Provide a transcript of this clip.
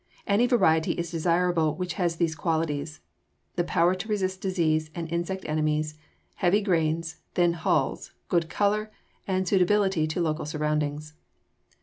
Any variety is desirable which has these qualities: power to resist disease and insect enemies, heavy grains, thin hulls, good color, and suitability to local surroundings.